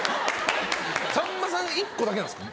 さんまさん１個だけなんですか？